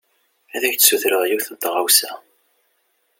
Ad ak-d-sutreɣ yiwen n tɣawsa.